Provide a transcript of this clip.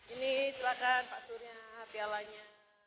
ini silakan pak surya pialanya